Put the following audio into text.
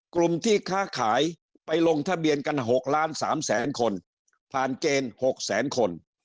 กลุ่มที่ค้าขายไปลงทะเบียนกัน๖ล้าน๓แสนคนผ่านเกณฑ์๖แสนคน